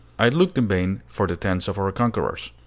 I looked in vain for the tents of our conquerors.